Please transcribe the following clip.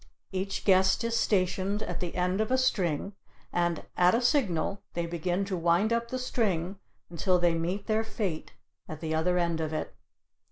Each guest is stationed at the end of a string and at a signal they begin to wind up the string until they meet their fate at the other end of it.